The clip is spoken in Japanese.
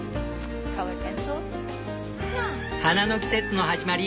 花の季節の始まり。